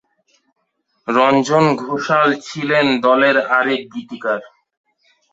রঞ্জন ঘোষাল ছিলেন দলের আরেক গীতিকার।